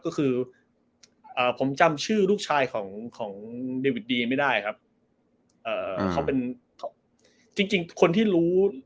ก็คืออ่าผมจำชื่อลูกชายของของเดวิดดีไม่ได้ครับเอ่อเขาเป็นเขาจริงจริงคนที่รู้